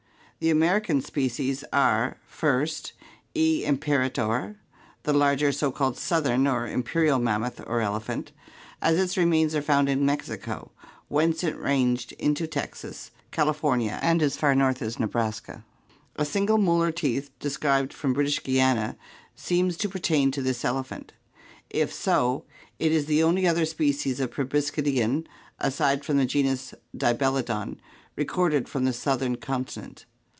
The American species are, first, £. imperalor (Fig. 207), the larger, so called southern or imperial mammoth or elephant, as its remains are found in Mexico, whence it ranged into Texas, California, and as far north as Nebraska. A single molar tooth described from British Guiana seems to pertain to this elephant; if so, it is the only other species of proboscidean, aside from the genus Dibelodon, recorded from the southern continent.